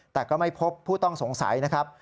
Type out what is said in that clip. แต่ก็ไม่พบผู้ต้องสงสัยนะครับ